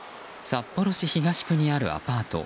札幌市東区にあるアパート。